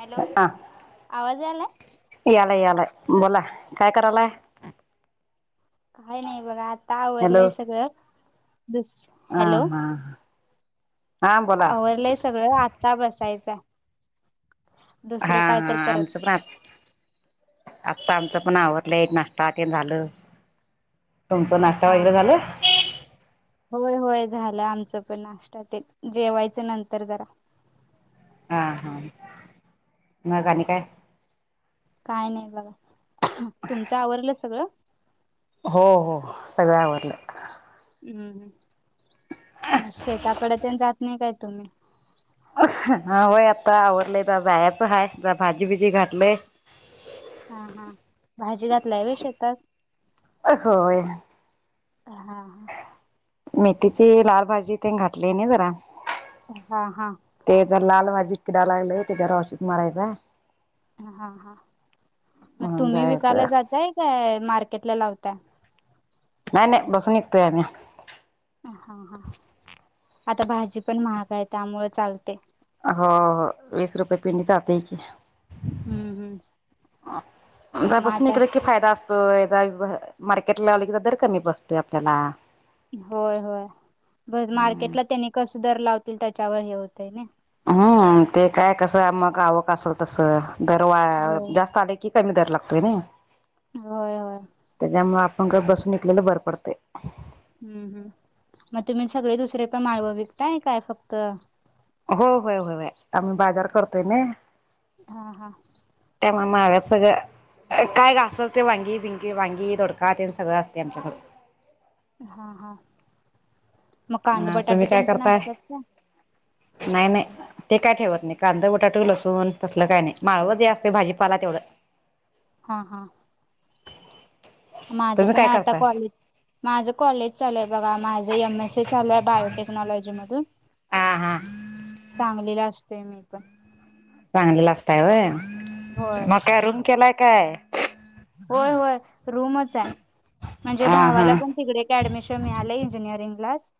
Hello हा आवाज यालाय? यालाय यालाय बोला काय करायलाय? काही नाही बघा आता आवरलंय सगळंस बिस हां हा. हा बोला आवरलय सगळं आता बसायचं दुसरं हा काय तर हा करत. आमचं पण आत्ता आमचं पण आवरलंय नाष्ट्ता तेन झालं. तुमचं हा नाश्ता वगैरे हा. झालं होय होय झालं आमचं पण नाष्ट्ता तेन जेवायचं नंतर जरा. हा हा मग आणि काय? काय नाही बघा तुमचं आवरलं सगळं? हो हो सगळं आवरलं. हम्म मग शेताकडे तेन जात नाही काय तुम्ही? हा होय आता आवरलंय तर जायचं हाय जर भाजीबिजी घातलय. हा हा भाजी घातला आहे वे शेतात. ओ होय. हा हा. मेथीची लार भाजी तेन घातली नाही जरा. हा हा. ते जर लाल माजी किडा लागलेय ते घरा औषिद मारायचा. हा हा मग म्हणून तुम्ही विकायला जायचं जाताय काय मार्केटला लावता? नाही नाही बसून विकतोय आम्ही. हा हा आता भाजी पण महाग आहे त्यामुळे चालते. हो हो वीस रुपये पिंडी जातय की. हम्म हम्म मग जापासून आता इकडे कि फायदा अस तोय जा वी अ मार्केटला आलो कि दर कमी बसतोय आपल्याला. होय होय बघ मार्केटला त्यांनी कस दर लावतील त्याच्यावर हे होतय ने. हम्म ते काय कसं मग आवक असेल तसं दरवा हो. जास्त आले की कमी दर लागतोय नी. होय होय. त्याच्यामुळे आपण गप बसून विकलेलं बरं पडतंय. हम्म हम्म मग तुम्ही सगळे दुसरे पण माळव विकताय काय फक्त? हो होय होय आम्ही बाजार करतोय ने. हा हा. त्यामुळे महागच सगळं काय घासल ते वांगी, बिं गी, दोडका तेन सगळं असतय आमच्याकडे. हा हा मग कांदा अ तुम्ही बटाटो काय तेण पण करताय असतात का नाही नाही ते काय ठेवत नाही कांदा बटाटो लसून तसलं काय नाही माळव जे असते भाजीपाला तेवढं हा हा माझं तुम्ही पण काय आता करताय कॉलेज माझं कॉलेज चलय बघा माझं एम एस ए चालू आहे बायोटेक्नॉलॉजी मधून हा हा सांगलीला असतोय मी पण सांगलीला असतय होय व मग काय रूम केलाय काय होय होय रूमच आहे म्हणजे हा हा भावाला पण तिकडे ऍडमिशन मिळालय इंजियरिंग लाच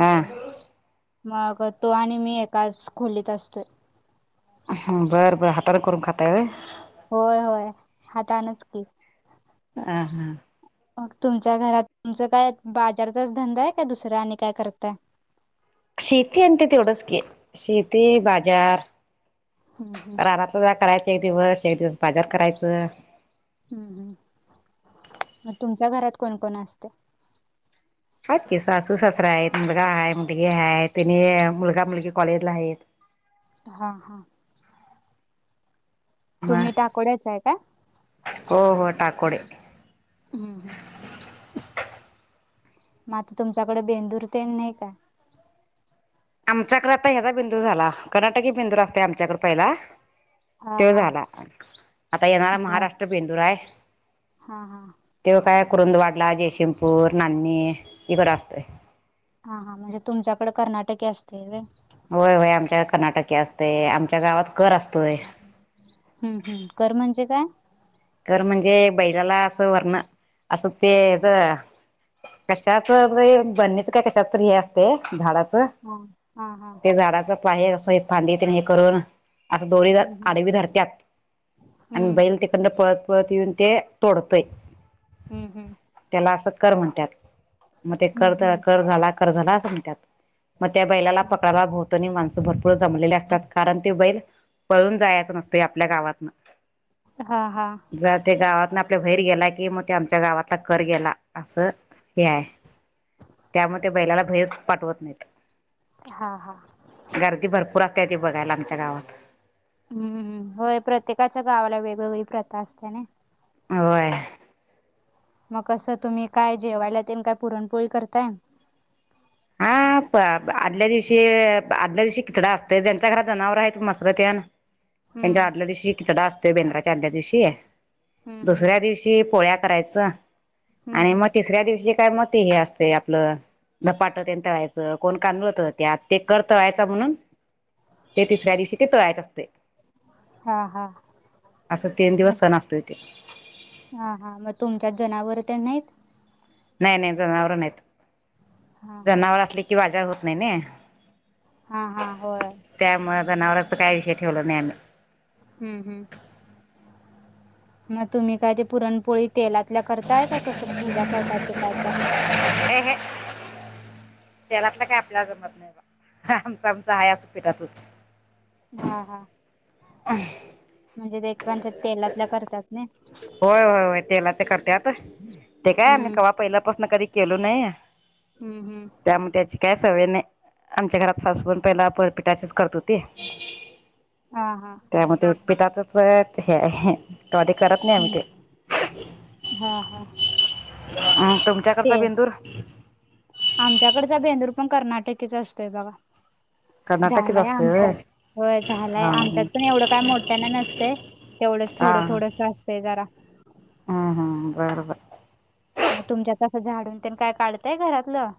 हा मग तो आणि मी एकाच खोलीत असतो ह बरं बरं हातार करून खाताय र होय होय हातानचकी हां हां मग तुमच्या घरात तुमच काय बाजारचाच धंदा आहे काय दुसरा आणि काय करतय शेती आणि ते तेवढंच की शेती बाजार हम्म हम्म राणात सजा करायच एक दिवस एक दिवस बाजार करायचं हम्म हम् मग तुमच्या घरात कोण कोण असते होत की सासू सासरा आहेत मुलगा आहे मुलगी आहे तिने मुलगा मुलगी कॉलेजला आहेत हां हां मग तुम्ही टाकोड्याच आहे का हो हो टाकोडे हम्म हम मात तुमच्याकडे बेंदूर ते नाही काय आमच्याकडे आता ह्याचा बिंदू झाला कर्नाटकी बिंदूर असते आमच्याकडे पहिला हा तो हा झाला आता येणारा झा महाराष्ट्र बिंदूरा आहे हा हा तेव्हा काय करंद वाट कला जैशीेंपूर नंदनी इकड असतय हा हा म्हणजे तुमच्याकडे कर्नाटके असतील र होय होय आमच्या कर्नाटके असते आमच्या गावात कर असतोय हम्म हम् कर म्हणजे काय खर म्हणजे बैलाला असं वरण असं तेच कशाच बनणीच काय कशात हे असते झाडा ह ते झाडाचं पाय असं हे फांदी हे करून असं दोरी हम्म आडवी धरतात आणि हम्म बैल तेखंड पळत पळत येऊन ते तोडतय हम्म हम्म त्याला असं कर म्हणतात मग ते हम्म कर हम्म कर झाला झाला म्हणतात मग त्या बैलाला पकडाला भोतनी माणसं भर जमलेले असतात कारण ते बैल पळून जायचं नसते आपल्या गावातन हा हा जर ते गावातन आपल्या भैर गेला की मग ते आमच्या गावातला कर गेला असं हय त्यामुळे ते बैलाला बाहेर पाठवत नाहीत हां हा गर्दी भरपूर असते ती बघायला आमच्या गावात हम्म होय प्रत्येकाच्या गावाला वेगवेगळी प्रथा असते ना होय मग कसं तुम्ही काय जेवायला ते काय पुरणपोळी करताय हा आदल्या दिवशी आदल्या दिवशी किचडा असतोय ज्यांच्या घराात जनावर आहे मसरत हम्म पंजादला द दिवशी किता दसतेय बिंदरा च्या आदल्या दिवशीय हम्म हम्म दुसऱ्या दिवशी पोळ्या करायचं हम्म आणि हम्म. मग तिसऱ्या दिवशी काय म ते हे असत आपलं धपाट त्यां तळायचं कोण तांदुळत त्यात ते कर तळायच म्हणून ते तिसऱ्या दिवशी ते तळायच असते हा हा असं तीन मग दिवस सण असतो इथे हा, हा, मग तुमच्यात जनावर तेन नाहीत. नाही नाही जनावर नाहीत, हा हा जनावर असले की बाजार होत नाही नई. हा, हा होय. त्यामुळे जनावरराच काय विषय ठेवला नाही आम्ही. हम्म. हम् मग तुम्ही काय ते पुरणपोळी. तेलातल्या करताय काय कसं हेज्या करताय पिठाच्या. हे. त्यालातलं काय आपल्याला जमत नाही बा आमच आमच हाय ह्या पिठाच. हा. हा. अ. म्हणजे ते एकेकांच्या तेलातल्या करतात नई. होय, होय, होय, तेलाचे करत्यात ते काय आम्ही हम्म कवा पहिल्यापासून कधी केलो नाही. हम्म. हम्म. त्यामुळे त्याची काय सवय नाही आमच्या घरात सासू पण पहिला पिठाच्याच करत होती. ह, हा. त्यामध्ये पिठाचच हे हाय तवा ते करत नाही आम्ही हम्म. ते. हा, हा, अ तुमच्याकडचा ते. बेंदूर आमच्याकडचा बेंदूर पण कर्नाटकीच असतोय बघा, कर्नाटकीच झालाय असतोय होय आमच्यात. होय झालंय हा आमच्यात पण एवढं काय मोठ्याना नसतंय तेवढंच थोडं थोडं. ते जरा. हम् हम् बरं बर. मग तुमच्या आता झाडून तेन काय काढतय घरातलं.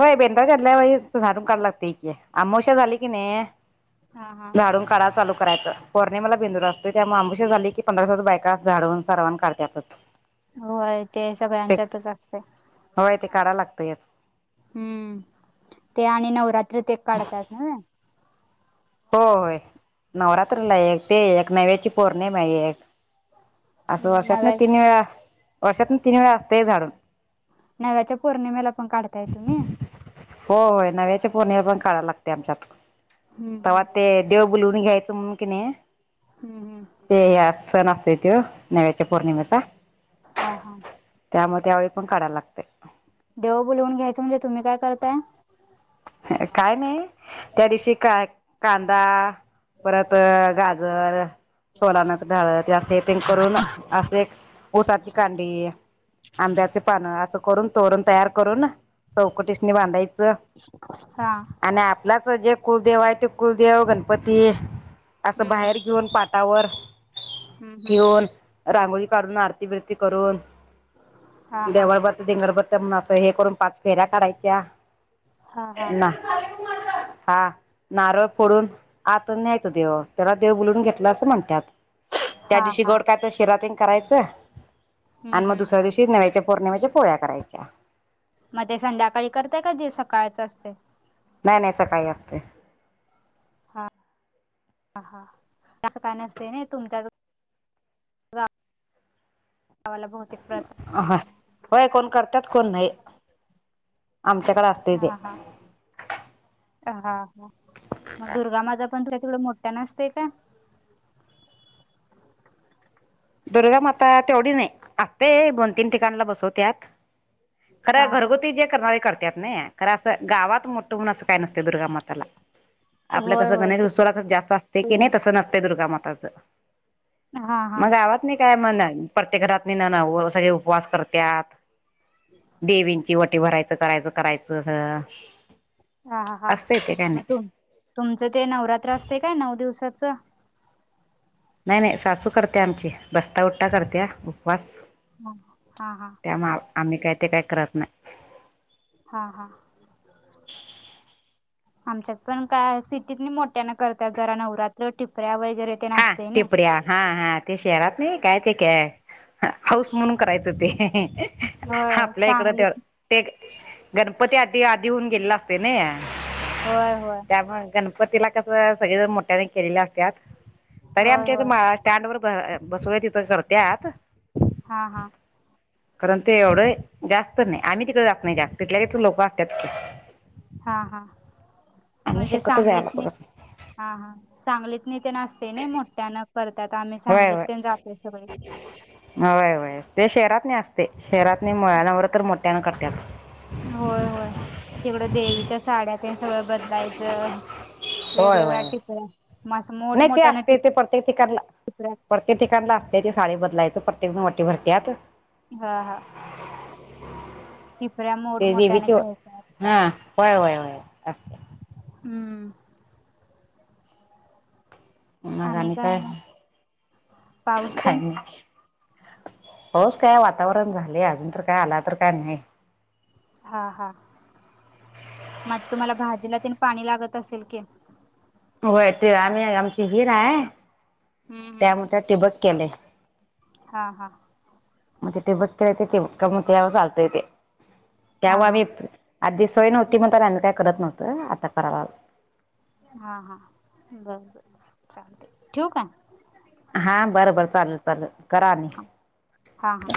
हो बेंद्राच्या आदल्या वेळी झाडून काढाय लागते की. आमवश्या झाली की नई हा हा झाडून काढाय चालू. करायं पौर्णिमेला बेंदूर असतो. त्यामुळे आमवश्या झाली की पंधरा दिवस बायका झाडून सरावन काढत्यातच. होय ते ते सगळ्यांच्यातच असते. होय ते काढायला लागतंयच हम्म, ते आणि नऊरात्रीत एक काढतात व्हनी. हो होय नवरात्रीला एक ते एक नव्याची पौर्णिमा एक. असं हम्म, वर्षातन नव्या तीन वेळा, वर्षातन तीन वेळा, असतय झाडून. नव्याच्या पौर्णिमेला पण काढताय तुम्ही. हो होय नव्याचे पौर्णिमेला पण काढयला लागते आमच्यात. हम्. तेव्हा ते देव बुलवून घ्यायचं म्हणून कणी. हम्म हम. ते या सण असते तो नव्याच्या पौर्णिमेचा. हा, हा. त्यामुळे त्यावेळी पण काढायला लागते. देव बुलवून घ्यायचं म्हणजे तूम्ही काय करताय. काय नाही त्या दिवशी काय कांदा परत गाजर. तर सोलानाच ढाळ अस ते करून अस हे करून. उसाची कांडी आंब्याचे पानं असं. करून तोरण तयार करून चौकटीसनी बांधायचं. हा. आणि आपलाच जे कुलदेव आहे ते कुलदेव गणपती. असं हम्म बाहेर हम्म घेऊन पाटावर. हम्म हम्म ठेऊन रांगोळी काढून आरती बिरती करून. हा. हा देवळ बत् दिंगड बत्त असं हे करून पाच फेऱ्या काढायच्या हा ना. [unintelligible] हा नारळ फोडून आत न्यायच देव त्याला देव बुलवून घेतल असं म्हणतात. त्या हा दिवशी हा गोड काय तर शिरातींग करायचं आणि हम्म मग हम्म दुसऱ्या दिवशी नव्याच्या पौर्णिमेच्या पोळ्या करायच्या मग ते संध्याकाळी करत काधी सकाळचं असते नाही नाही असं काही असते ह हा असं काय नसते ना तुमच्या ला बत ह होय कोण करतात कोण नाही आमच्याकडे असत तेे हा हा हा हा मग दुर्गा माझा पण थोड्या वड मोठ्या नसते का दुर्गा माता तेवढी नाही असते दोन तीन ठिकाला बसवतत खरं हा हा घरगुती जे करणारे करतात ना कारर असं गावात मोठं म्हून असं काय नसत दुर्गामाताला आपलं होय कसं होय गणेश जास्त असते की दुर्गा नाही तस नसते दुर्गामाताच हा हा मग काय म्हण प्रत्येक घरात नाही ना ना सगळे उपवास करतात देवींची वटी भरायचं करायचं करायचं अस हा हा हा मग तुम तुमचं ते नवरात्र असते काय नऊ दिवसाचं नाही नाही सासू करते आमची बस्ता उट्टा करते उपवास ह हा हा त्यामुळे आम्ही काही ते काय करत नाही हा हा आमच्यात पण काय सिटीत नाही मोठ्या न करतात जरा नवरात्र ठिपऱ्या वगैरे ते हा असते ना टिपड्या हा हा ते शहरात नाही काय ते काय हाऊस म्हणून करायचं ते हा होय आपल्या इकडं ते सांगलीत ते गणपती आधी आधी होऊन गेले असते ना होय होय त्यामुळे गणपतीला कसं सगळे ज मोठ्याने केलेल्या असतात तरी होय आमच्या होय इथे स्टँड वर बसवल्या तिथं करतत हा हा कारण ते एवढं जास्त नाही आम्ही तिकडे जास्त नाही जास्त तिथल्या तर लोकं असतात की हा हा आम्ही म्हणजे शक्यतो सांगलीत जायला नाही बघत हा हा सांगलीत नाही ते नसते नाही मोठ्या न करतात आम्ही सांगलीत ते जाते सगळी हय वय ते शहरात नाही असते शहरात नाही मुळनावर तर मोठ्याना करतात होय होय तिकडं देवीच्या साड्यात सगळं बदलायचं होय वेगवेग्या होय अट नाही ते असते ते पडते तिकला टिपऱ्या पडते ते ठिकाण ला असते ते साडी बदलायचं प्रत्येक जण वाटी भरतात हा हा टिपरा्या मोड ते मोठा न देवीची खेळता हा होय होय होय असते हम्म आणि मगणी काय मग पाऊस तेन खान होस काय वातावरण झाले अजून तर काय आला तर काय नाही हा हा मग तुम्हाला भाजीला त पाणी लागत असेल की होय ते आम्ही आमची हिर आहे हम्म त्यामुळे हम्म त्या टिबक केले हा हा मग ते ते बक ते चालतय ते हा त्याव्हा हा आम्ही आधी सोय नव्हती मग त्या त्यां काय करत नव्हतं आता कराय लाग हा हा बर बर चालते ठेवू काय. हा बरं बर चालेल चालेल करा आणि. हा हा.